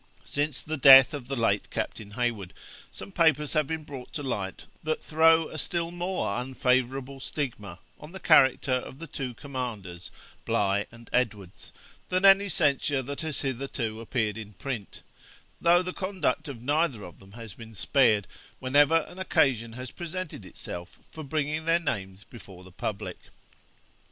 Since the death of the late Captain Heywood, some papers have been brought to light, that throw a still more unfavourable stigma on the character of the two commanders, Bligh and Edwards, than any censure that has hitherto appeared in print, though the conduct of neither of them has been spared, whenever an occasion has presented itself for bringing their names before the public.